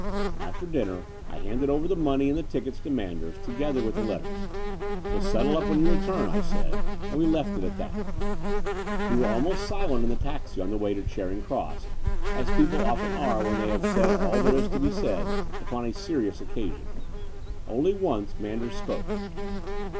After dinner I handed over the money and the tickets to Manders, together with the letters. "We'll settle up when you return," I said: and we left it at that. We were almost silent in the taxi on the way to Charing Cross, as people often are when they have said all that is to be said upon a serious occasion. Only once Manders spoke.